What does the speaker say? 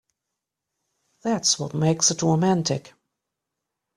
That's what makes it romantic.